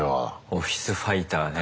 オフィスファイターね。